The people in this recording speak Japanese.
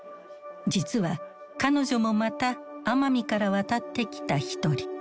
実は彼女もまた奄美から渡ってきた一人。